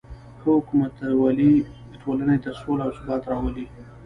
ښه حکومتولي ټولنې ته سوله او ثبات راولي.